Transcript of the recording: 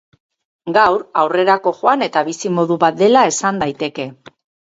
Gaur, aurrerako joan eta bizi-modu bat dela esan daiteke.